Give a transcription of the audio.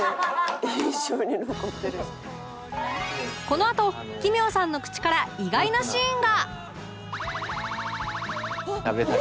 このあと奇妙さんの口から意外なシーンが！